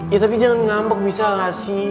ya tapi jangan ngambek bisa gak sih